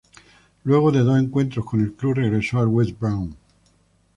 Luego de dos encuentros con el club regresó al West Brom.